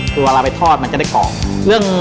คือตอนไปทอดมันจะเกราะ